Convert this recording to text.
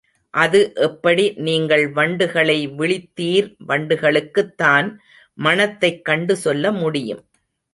அது எப்படி நீங்கள் வண்டுகளை விளித்தீர் வண்டுகளுக்குத்தான் மணத்தைக் கண்டு சொல்ல முடியும்.